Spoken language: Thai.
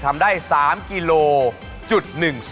ทำได้๓กิโล๑๒